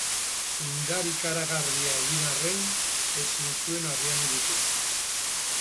Indar ikaragarria egin arren ezin zuen harria mugitu.